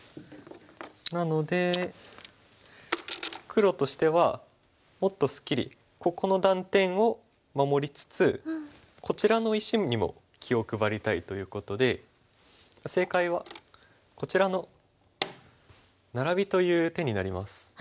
なので黒としてはもっとすっきりここの断点を守りつつこちらの石にも気を配りたいということで正解はこちらのナラビという手になります。